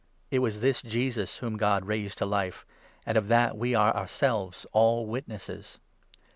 It was this Jesus, 32 whom God raised to life ; and of that we are ourselves all witnesses.